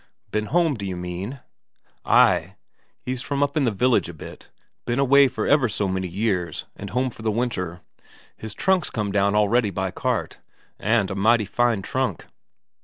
"Been home, d'you mean?" "Ay. He's from up in the village a bit. Been away for ever so many years, and home for the winter. His trunk's come down already by cart and a mighty fine trunk."